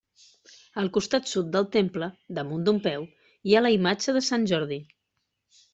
Al costat sud del temple, damunt d'un peu, hi ha la imatge de sant Jordi.